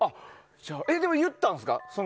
でも、言ったんですか？